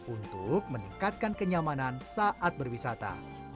untuk meningkatkan kenyamanan saat berwisata